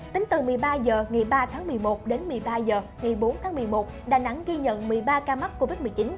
tính từ một mươi ba h ngày ba tháng một mươi một đến một mươi ba h ngày bốn tháng một mươi một đà nẵng ghi nhận một mươi ba ca mắc covid một mươi chín